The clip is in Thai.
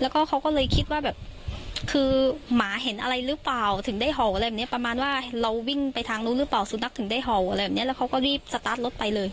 แล้วก็เขาก็เลยคิดว่าแบบคือหมาเห็นอะไรหรือเปล่าถึงได้เห่าอะไรแบบนี้ประมาณว่าเราวิ่งไปทางนู้นหรือเปล่าสุนัขถึงได้เห่าอะไรแบบนี้แล้วเขาก็รีบสตาร์ทรถไปเลย